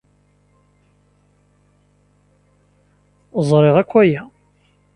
Ẓriɣ akk aya.